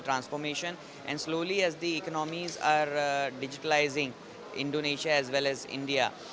dan perlahan lahan ekonomi digitalisasi indonesia dan india